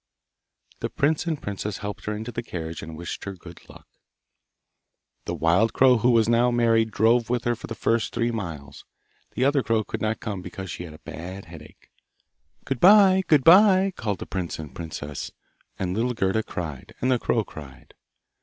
The prince and princess helped her into the carriage and wished her good luck. The wild crow who was now married drove with her for the first three miles; the other crow could not come because she had a bad headache. 'Good bye, good bye!' called the prince and princess; and little Gerda cried, and the crow cried.